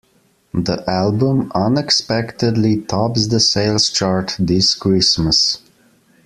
The album unexpectedly tops the sales chart this Christmas.